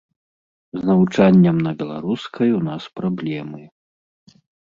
З навучаннем на беларускай у нас праблемы.